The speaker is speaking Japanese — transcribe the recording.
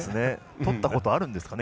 とったことあるんですかね。